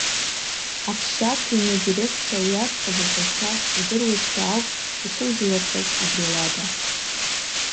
Аԥсшьарҭа ҩны адиреқциа, уи аӡӷаб лҟазшьа рдыруазшәа ауп ишылзалырхыз абри ауада.